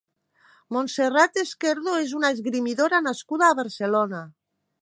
Montserat Esquerdo és una esgrimidora nascuda a Barcelona.